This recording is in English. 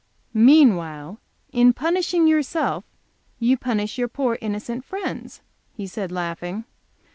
"Meanwhile, in, punishing yourself you punish your poor innocent friends," he said laughing.